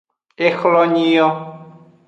Ehlonyi yo.